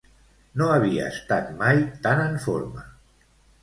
No havia estat mai tan en forma!